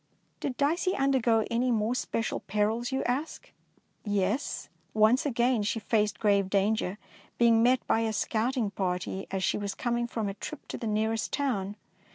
Did Dicey undergo any more special perils, you ask? Yes ; once again she faced grave dan ger, being met by a scouting party as she was coming from a trip to the nearest town.